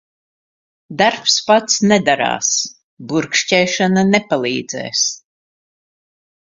Darbs pats nedarās. Burkšķēšana nepalīdz.